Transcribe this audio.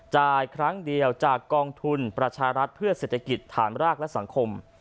ครั้งเดียวจากกองทุนประชารัฐเพื่อเศรษฐกิจฐานรากและสังคม